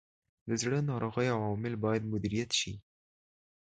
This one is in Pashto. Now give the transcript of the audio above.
د زړه ناروغیو عوامل باید مدیریت شي.